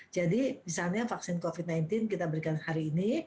jadi misalnya vaksin covid sembilan belas kita berikan hari ini